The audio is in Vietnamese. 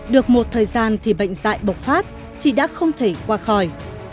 được một thời gian thì bệnh dạy bộc phát chị đã không thể qua khỏi